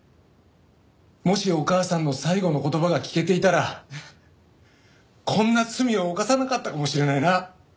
もしお母さんの最期の言葉が聞けていたらこんな罪を犯さなかったかもしれないな。